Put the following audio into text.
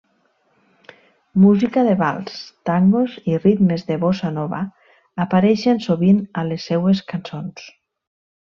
Música de vals, tangos i ritmes de Bossa-Nova apareixen sovint a les seues cançons.